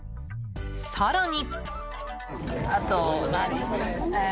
更に。